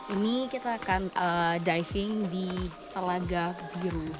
ini kita akan diving di telaga biru